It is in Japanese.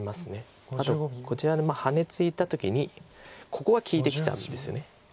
あとこちらにハネツイだ時にここが利いてきちゃうんですよね。